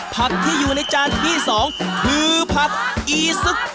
ที่อยู่ในจานที่๒คือผักอีซึก